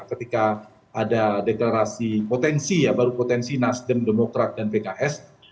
ketika ada deklarasi potensi ya baru potensi nasdem demokrat dan pks